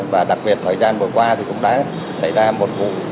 và đặc biệt thời gian vừa qua thì cũng đã xảy ra một vụ